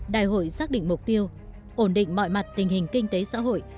đại hội xác định mục tiêu ổn định mọi mặt tình hình kinh tế xã hội